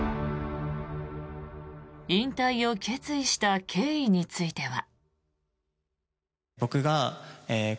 引退を決意した経緯については。